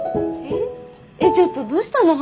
えっちょっとどうしたの？